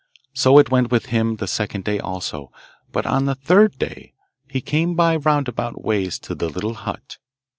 So it went with him the second day also, but on the third day he came by roundabout ways to the little hut.